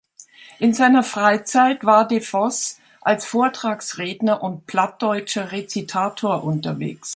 In seiner Freizeit war de Voss als Vortragsredner und plattdeutscher Rezitator unterwegs.